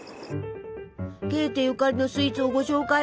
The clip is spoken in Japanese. ゲーテゆかりのスイーツをご紹介！